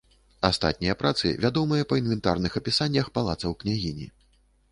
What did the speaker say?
Астатнія працы вядомыя па інвентарных апісаннях палацаў княгіні.